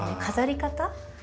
飾り方？